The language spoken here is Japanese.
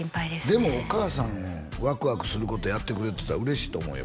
でもお母さんワクワクすることやってくれてたら嬉しいと思うよ